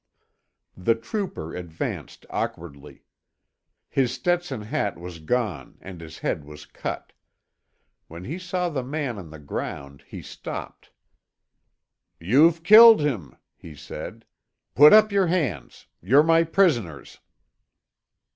The trooper advanced awkwardly. His Stetson hat was gone and his head was cut. When he saw the man on the ground he stopped. "You've killed him," he said. "Put up your hands! You're my prisoners!"